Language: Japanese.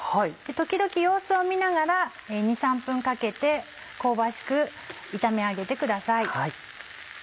時々様子を見ながら２３分かけて香ばしく炒めあげてください。